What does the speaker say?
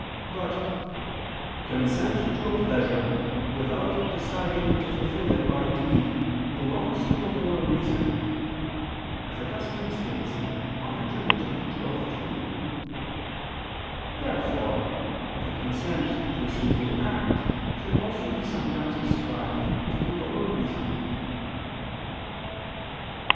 But "consent to a pleasure without deciding to fulfil it by deed, belongs to the lower reason," as Augustine states (De Trin. xii, 2). Therefore the consent to a sinful act should also be sometimes ascribed to the lower reason.